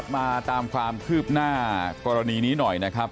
มาตามความคืบหน้ากรณีนี้หน่อยนะครับ